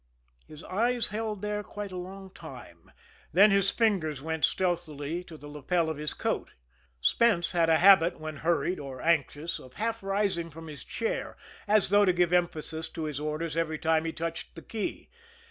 His eyes held there quite a long time then his fingers went stealthily to the lapel of his coat. Spence had a habit when hurried or anxious of half rising from his chair, as though to give emphasis to his orders every time he touched the key.